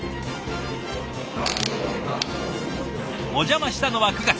お邪魔したのは９月。